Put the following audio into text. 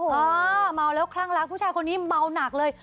อ้าวเมาแล้วครั้งละผู้ชายคนนี้เมาหนักเลย